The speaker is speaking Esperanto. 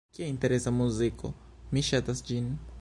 Kia interesa muziko. Mi ŝatas ĝin.